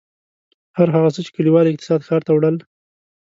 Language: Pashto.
هر هغه څه چې کلیوال اقتصاد ښار ته وړل.